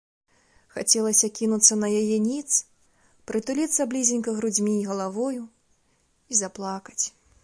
Хацелася кінуцца на яе ніц, прытуліцца блізенька грудзьмі і галавою і заплакаць.